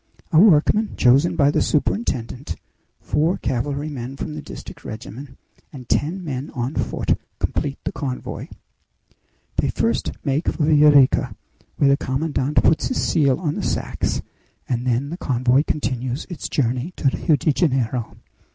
A workman chosen by the superintendent, four cavalrymen from the district regiment, and ten men on foot, complete the convoy. They first make for Villa Rica, where the commandant puts his seal on the sacks, and then the convoy continues its journey to Rio de Janeiro.